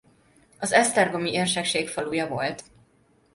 Az esztergomi érsekség faluja volt.